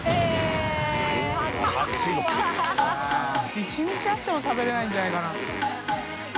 １日あっても食べれないんじゃないかな？